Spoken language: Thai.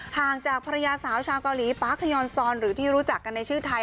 ห่างจากภรรยาสาวชาวเกาหลีปาร์คยอนซอนหรือที่รู้จักกันในชื่อไทย